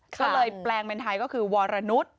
ก็เลยแปลงเป็นไทยก็คือวรนุษย์